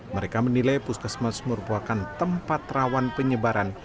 mereka menilai puskesmas merupakan tempat rawan penyebaran